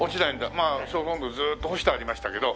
まあそこもずーっと干してありましたけど。